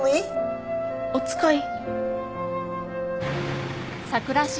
お使い？